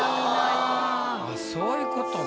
あっそういうことね。